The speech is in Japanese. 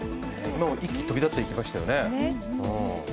今も１機飛び立っていきましたよね。